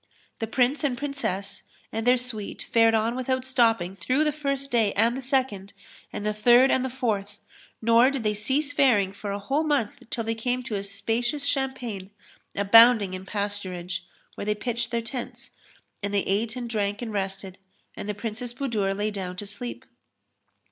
The Prince and Princess and their suite fared on without stopping through the first day and the second and the third and the fourth, nor did they cease faring for a whole month till they came to a spacious champaign, abounding in pasturage, where they pitched their tents; and they ate and drank and rested, and the Princess Budur lay down to sleep.